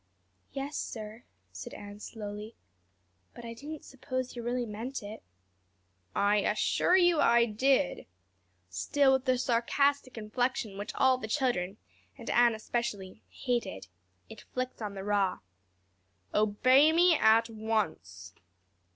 "Yes, sir," said Anne slowly "but I didn't suppose you really meant it." "I assure you I did" still with the sarcastic inflection which all the children, and Anne especially, hated. It flicked on the raw. "Obey me at once."